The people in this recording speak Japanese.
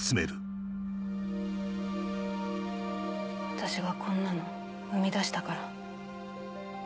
私がこんなの生み出したから。